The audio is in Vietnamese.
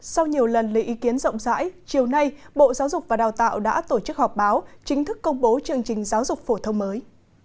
sau nhiều lần lấy ý kiến rộng rãi chiều nay bộ giáo dục và đào tạo đã tổ chức họp báo chính thức công bố chương trình giáo dục phổ thông mới